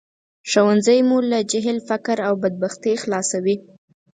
ښوونځی مو له جهل، فقر او بدبختۍ خلاصوي